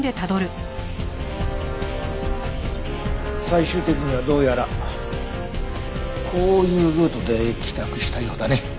最終的にはどうやらこういうルートで帰宅したようだね。